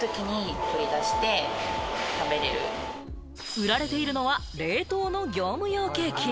売られているのは冷凍の業務用ケーキ。